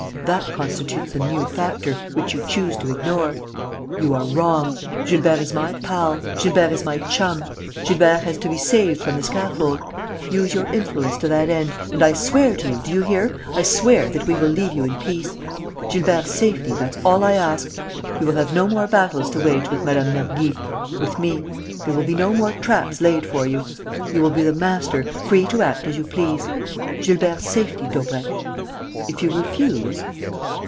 That constitutes a new factor, which you choose to ignore. You are wrong. Gilbert is my pal. Gilbert is my chum. Gilbert has to be saved from the scaffold. Use your influence to that end, and I swear to you, do you hear, I swear that we will leave you in peace. Gilbert's safety, that's all I ask. You will have no more battles to wage with Mme. Mergy, with me; there will be no more traps laid for you. You will be the master, free to act as you please. Gilbert's safety, Daubrecq! If you refuse...."